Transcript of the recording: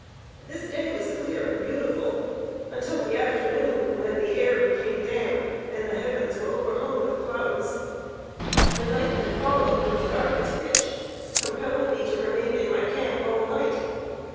This day was clear and beautiful until the afternoon, when the air became damp, and the heavens were overhung with clouds. The night that followed was dark as pitch, compelling me to remain in my camp all night.